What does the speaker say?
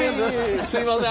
すいません。